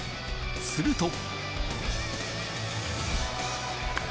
すると。